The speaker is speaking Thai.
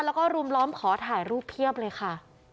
แล้วก็รุมล้อมขอถ่ายรูปเพียบเลยค่ะ